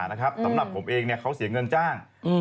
สำหรับผมเองเขาเสียเงินจ้าง